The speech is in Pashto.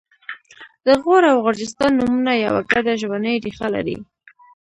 د غور او غرجستان نومونه یوه ګډه ژبنۍ ریښه لري